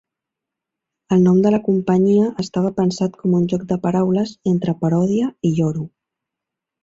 El nom de la companyia estava pensat com un joc de paraules entre "paròdia" i "lloro".